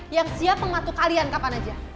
yang siap membantu kalian kapan aja